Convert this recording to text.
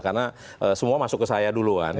karena semua masuk ke saya duluan